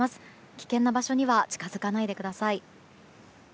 危険な場所には近づかないでください。